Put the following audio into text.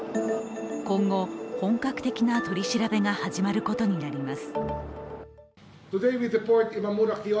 今後、本格的な取り調べが始まることになります。